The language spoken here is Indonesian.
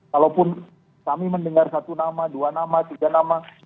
kalaupun kami mendengar satu nama dua nama tiga nama